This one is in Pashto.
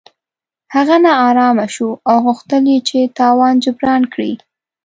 هغه نا ارامه شو او غوښتل یې چې تاوان جبران کړي.